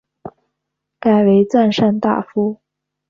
改为赞善大夫。